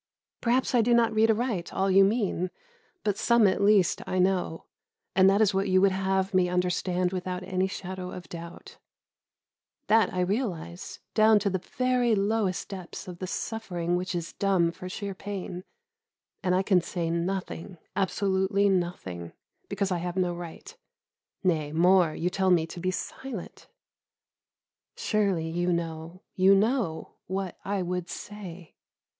Perhaps I do not read aright all you mean; but some at least I know, and that is what you would have me understand without any shadow of doubt. That I realise, down to the very lowest depths of the suffering which is dumb for sheer pain; and I can say nothing, absolutely nothing, because I have no right; nay, more, you tell me to be silent. Surely you know, you know, what I would say?